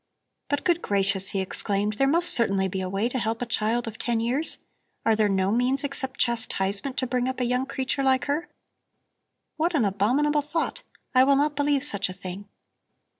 "But good gracious!" he exclaimed, "there must certainly be a way to help a child of ten years. Are there no means except chastisement to bring up a young creature like her? What an abominable thought! I will not believe such a thing!